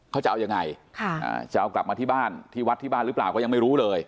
เขาจะเอายังไงจะเอากลับมาที่บ้านที่วัดที่บ้านหรือเปล่าก็ยังไม่รู้เลย